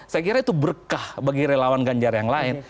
saya kira itu berkah bagi relawan ganjar yang lain